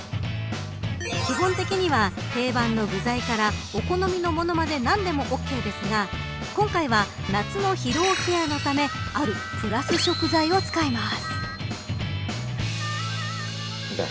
基本的には、定番の具材からお好みのものまで何でもオーケーですが今回は夏の疲労ケアのためあるプラス食材を使います。